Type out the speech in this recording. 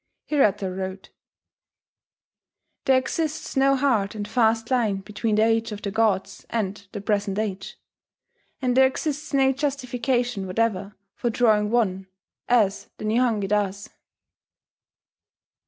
Hirata wrote: "There exists no hard and fast line between the Age of the Gods and the present age and there exists no justification whatever for drawing one, as the Nihongi does."